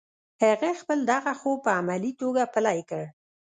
هغه خپل دغه خوب په عملي توګه پلی کړ